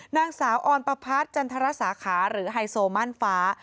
นางสาวออนประพัฒน์จันทรสาขาหรือไฮโซม่านฟ้า